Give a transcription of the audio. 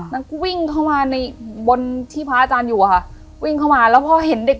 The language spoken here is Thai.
แล้วก็วิ่งเข้ามาในบนที่พระอาจารย์อยู่อะค่ะวิ่งเข้ามาแล้วพอเห็นเด็ก